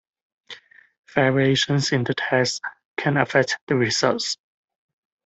Variations in the test can affect the results.